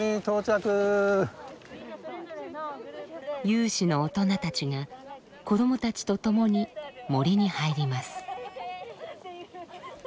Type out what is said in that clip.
有志の大人たちが子どもたちと共に森に入ります。